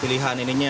pilihan ininya ya